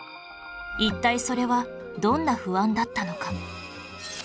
一体それはどんな不安だったのか？